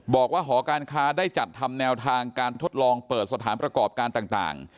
บอกว่าหอการค้าได้จัดทำแนวทางการทดลองเปิดสถานประกอบการต่าง